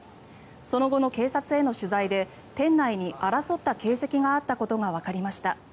その後の警察への取材で店内に争った形跡があったことがわかりました。